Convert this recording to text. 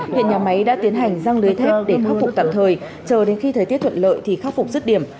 hiện nhà máy đã tiến hành răng lưới thép để khắc phục tạm thời chờ đến khi thời tiết thuận lợi thì khắc phục rứt điểm